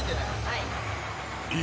はい。